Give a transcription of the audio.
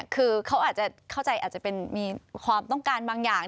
คือเขาอาจจะเข้าใจอาจจะเป็นมีความต้องการบางอย่าง